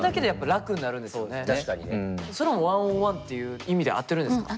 それも１ｏｎ１っていう意味で合ってるんですか。